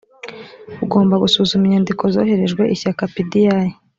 ugomba gusuzuma inyandiko zohererejwe ishyaka pdi